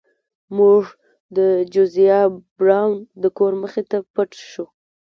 موږ د جوزیا براون د کور مخې ته پټ شو.